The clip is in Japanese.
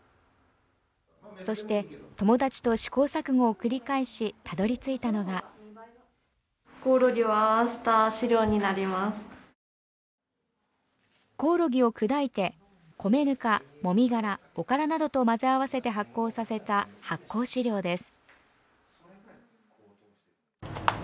そして友達と試行錯誤を繰り返したどり着いたのがコオロギを砕いて、米ぬか籾殻おからなどと混ぜ合わせて発酵させた発酵飼料です。